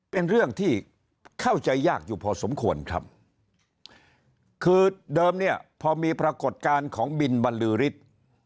เป็นเรื่องที่เข้าใจยากอยู่พอสมควรครับคือเดิมเนี่ยพอมีปรากฏการณ์ของบินบรรลือฤทธิ์